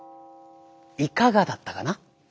いかがだったかな？